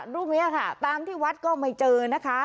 รูปนี้ค่ะตามที่วัดก็ไม่เจอนะคะ